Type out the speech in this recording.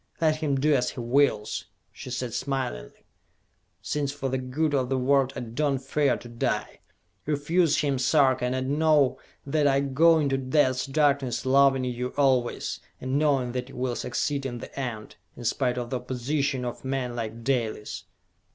"Let him do as he wills," she said smilingly, "since for the good of the world I do not fear to die! Refuse him, Sarka, and know that I go into Death's Darkness loving you always, and knowing that you will succeed in the end, in spite of the opposition of men like Dalis!"